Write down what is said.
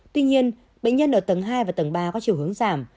tuy nhiên bệnh nhân ở tầng hai và tầng ba có chiều hướng giảm